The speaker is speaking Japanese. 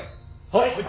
はい！